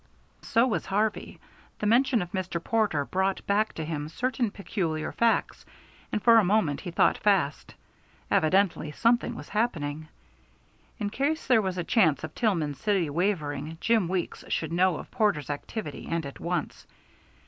So was Harvey. The mention of Mr. Porter brought back to him certain peculiar facts, and for a moment he thought fast. Evidently something was happening. In case there was a chance of Tillman City wavering, Jim Weeks should know of Porter's activity and at once.